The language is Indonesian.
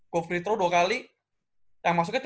gue free throw dua kali yang masuknya